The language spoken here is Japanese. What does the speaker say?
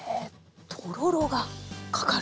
とろろがかかる。